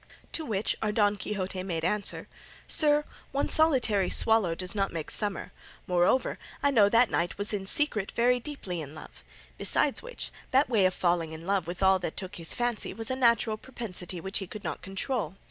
To which our Don Quixote made answer, "Sir, one solitary swallow does not make summer; moreover, I know that knight was in secret very deeply in love; besides which, that way of falling in love with all that took his fancy was a natural propensity which he could not control.